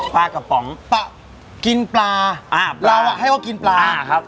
ปลากระป๋องปลากินปลาอ่าเราอ่ะให้ว่ากินปลาครับ